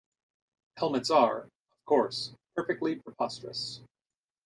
Helmets are, of course, perfectly preposterous.